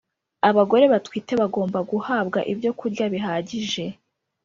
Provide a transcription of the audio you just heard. abagore batwite bagomba guhabwa ibyo kurya bihagije.